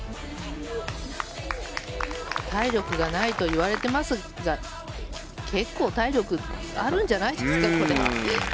体力がないといわれていますが結構、体力あるんじゃないですかこれ。